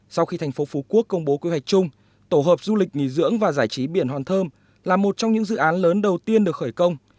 sau khi thành phố phú quốc công bố quy hoạch chung tổ hợp du lịch nghỉ dưỡng và giải trí biển hòn thơm là một trong những dự án lớn đầu tiên được khởi công